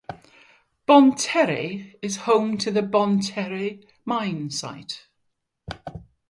Bonne Terre is home to the Bonne Terre Mine site.